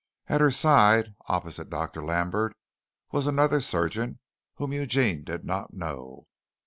At her side, opposite Dr. Lambert, was another surgeon whom Eugene did not know.